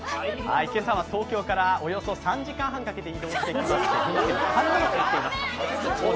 今朝は東京からおよそ３時間半かけて移動してきまして群馬県神流町にやってきました。